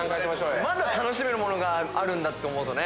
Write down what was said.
まだ楽しめるものがあるんだって思うとね。